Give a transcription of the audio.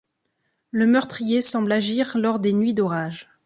Le meurtrier semble agir lors des nuits d'orage.